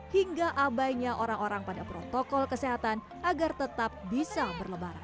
hingga abainya orang orang pada protokol kesehatan agar tetap bisa berlebaran